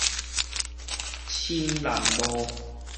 深南路